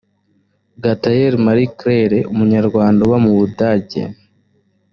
gatayire marie claire umunyarwanda uba mu budage